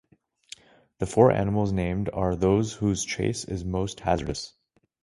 The four animals named are those whose chase is most hazardous.